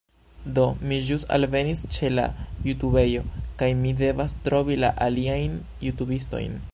Do, mi ĵus alvenis ĉe la jutubejo kaj mi devas trovi la aliajn jutubistojn